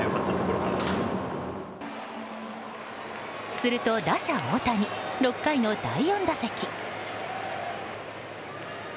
すると、打者・大谷６回の第４打席。